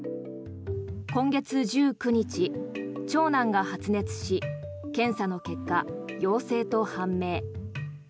今月１９日、長男が発熱し検査の結果、陽性と判明。